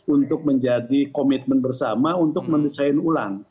untuk menjadi komitmen bersama untuk mendesain ulang